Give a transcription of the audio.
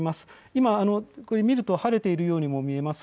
今、見ると晴れているようにも見えます。